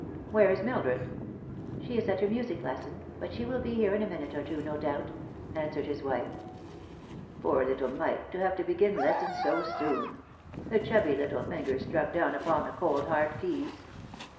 "Where is Mildred ?"" She is at her music lesson ; but she will be here in a minute or two, no doubt," answered his wife. " Poor little mite, to have to begin lessons so soon ; the chubby little fingers stuck down upon the cold hard keys.